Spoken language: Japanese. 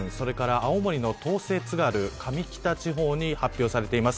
青津軽上北地方に発表されています。